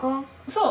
そう！